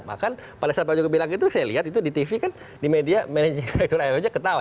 bahkan pada saat pak jokowi bilang itu saya lihat itu di tv kan di media manajemen direktur io nya ketawa